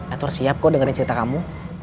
atau siap kok dengerin cerita kamu